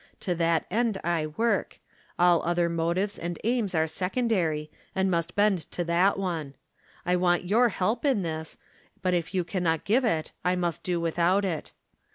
To that end I work ; all other motives and aims are sec ondary, and must bend to that one. I want your help in this, but if you can not give it I must do without it.